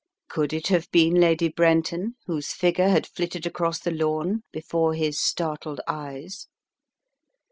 Could it have been Lady Brenton whose figure had flitted across the lawn before his startled eyes?